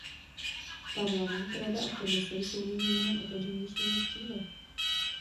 Parlament, Rada a Komise jsou nyní mnohem otevřenější než dříve.